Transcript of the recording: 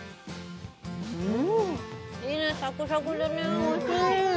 いいねサクサクでねおいしい！